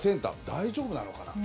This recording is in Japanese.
大丈夫なのかな？